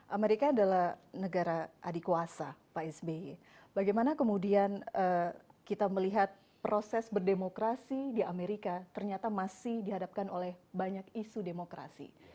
amerika adalah negara adik kuasa pak sby bagaimana kemudian kita melihat proses berdemokrasi di amerika ternyata masih dihadapkan oleh banyak isu demokrasi